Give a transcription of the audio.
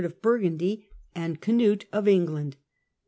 of Burgundy and Cnut of England.